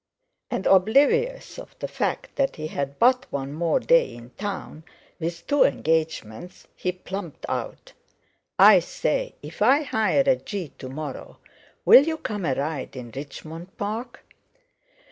And oblivious of the fact that he had but one more day in town, with two engagements, he plumped out: "I say, if I hire a gee to morrow, will you come a ride in Richmond Park?"